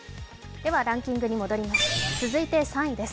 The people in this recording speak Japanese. ランキングに戻ります。